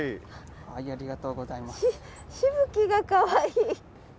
しぶきがかわいい。